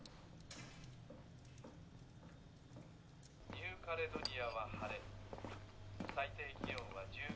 「ニューカレドニアは晴れ最低気温は１９度」。